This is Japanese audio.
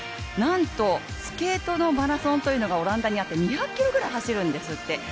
なんとスケートのマラソンというのがオランダにあって２００ｋｍぐらい走るんですって。